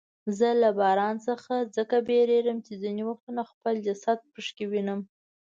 زه له باران څخه ځکه بیریږم چې ځیني وختونه خپل جسد پکې وینم.